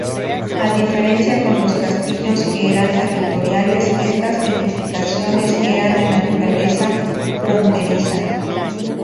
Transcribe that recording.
A diferencia con los castillos, que eran territoriales, estas edificaciones eran de naturaleza fronteriza.